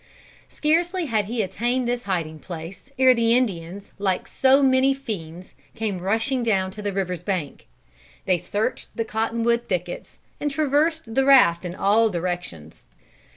Scarcely had he attained this hiding place ere the Indians like so many fiends came rushing down to the river's bank. They searched the cotton wood thickets, and traversed the raft in all directions.